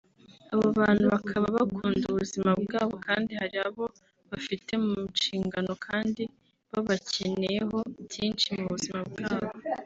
Abo bantu bakaba bakunda ubuzima bwabo kandi hari abo bafite mu nshingano kandi babakeneyeho byinshi mu buzima bwabo